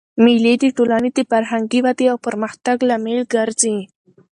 مېلې د ټولني د فرهنګي ودئ او پرمختګ لامل ګرځي.